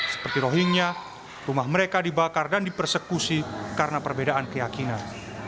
seperti rohingya rumah mereka dibakar dan dipersekusi karena perbedaan keyakinan